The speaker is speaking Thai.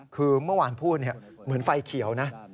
คือเมื่อวานพูดเหมือนไฟเขียวนะ